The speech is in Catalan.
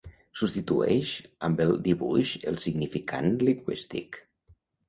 «substitueix amb el dibuix el significant lingüístic».